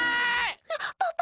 パパ！